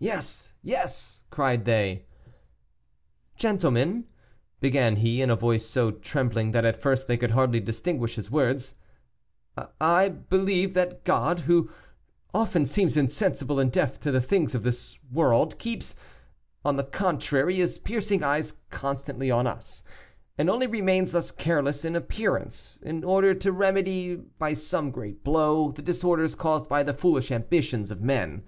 "Yes, yes!" cried they. "Gentlemen," began he, in a voice so trembling that at first they could hardly distinguish his words, "I believe that God, who often seems insensible and deaf to the things of this world, keeps, on the contrary, His piercing eyes constantly on us, and only remains thus careless in appearance in order to remedy, by some great blow, the disorders caused by the foolish ambitions of men.